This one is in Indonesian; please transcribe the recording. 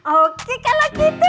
oke kalau gitu